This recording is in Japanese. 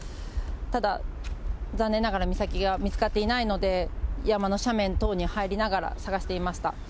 ただ残念ながら美咲が見つかっていないので、山の斜面等に入りながら捜していました。